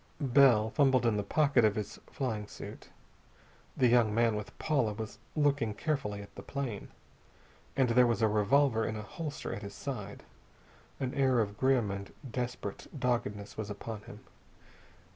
Bell fumbled in the pocket of his flying suit. The young man with Paula was looking carefully at the plane. And there was a revolver in a holster at his side. An air of grim and desperate doggedness was upon him.